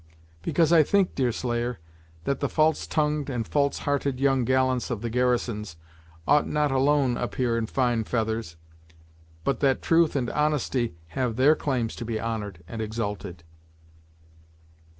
"Because I think, Deerslayer, that the false tongued and false hearted young gallants of the garrisons, ought not alone to appear in fine feathers, but that truth and honesty have their claims to be honored and exalted."